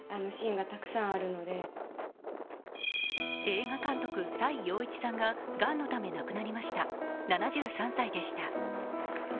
映画監督崔洋一さんががんのため亡くなりました、７３歳でした。